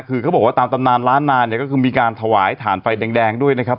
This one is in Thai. คือเขาบอกว่าตามตำนานล้านนานเนี่ยก็คือมีการถวายฐานไฟแดงด้วยนะครับ